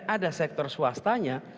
ada sektor swastanya